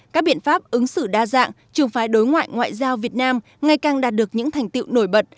các biện pháp ứng xử đa dạng trường phái đối ngoại ngoại giao việt nam ngày càng đạt được những thành tiệu nổi bật